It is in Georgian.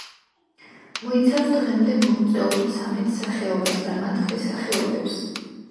მოიცავს დღემდე მოღწეულ ცამეტ სახეობას და მათ ქვესახეობებს.